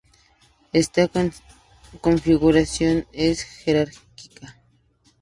Esta configuración es "jerárquica".